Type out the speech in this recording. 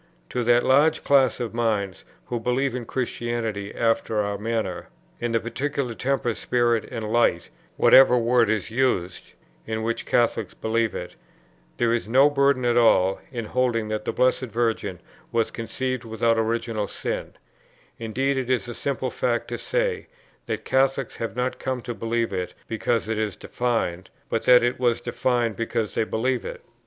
To that large class of minds, who believe in Christianity after our manner, in the particular temper, spirit, and light, (whatever word is used,) in which Catholics believe it, there is no burden at all in holding that the Blessed Virgin was conceived without original sin; indeed, it is a simple fact to say, that Catholics have not come to believe it because it is defined, but that it was defined because they believed it.